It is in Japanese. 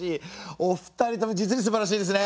お二人とも実にすばらしいですね。